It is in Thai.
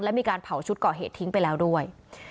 และมีการเผาชุดก่อเหตุทิ้งไปแล้วด้วย